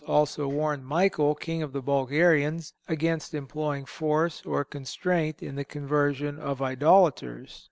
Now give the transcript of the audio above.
also warned Michael, king of the Bulgarians, against employing force or constraint in the conversion of idolaters.